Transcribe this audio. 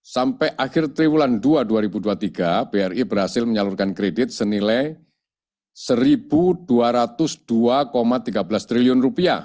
sampai akhir triwulan dua dua ribu dua puluh tiga bri berhasil menyalurkan kredit senilai rp satu dua ratus dua tiga belas triliun